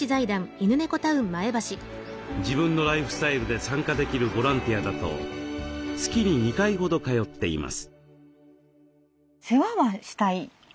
自分のライフスタイルで参加できるボランティアだと月に２回ほど通っています。